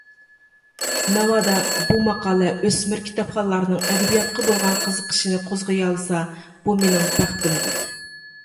ناۋادا بۇ ماقالە ئۆسمۈر كىتابخانلارنىڭ ئەدەبىياتقا بولغان قىزىقىشىنى قوزغىيالىسا، بۇ مېنىڭ بەختىمدۇر.